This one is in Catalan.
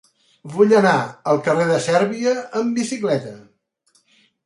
Vull anar al carrer de Sèrbia amb bicicleta.